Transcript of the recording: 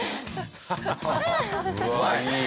うわいい。